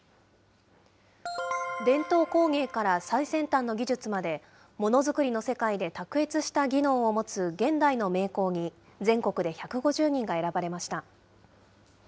伝統工芸から最先端の技術まで、ものづくりの世界で卓越した技能を持つ現代の名工に、全国で１５０人が選ばれました。